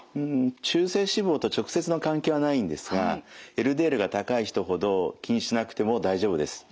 中性脂肪と直接の関係はないんですがＬＤＬが高い人ほど気にしなくても大丈夫です。